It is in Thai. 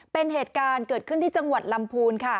เป็นเหตุการณ์เกิดขึ้นที่จังหวัดลำพูนค่ะ